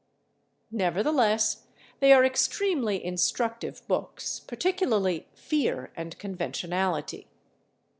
Nevertheless, they are extremely instructive books, particularly "Fear and Conventionality."